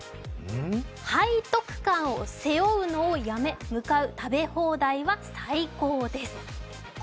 背徳感を背負うのを辞め向かう食べ放題は最高です。